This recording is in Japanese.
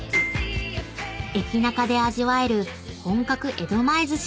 ［駅ナカで味わえる本格江戸前寿司］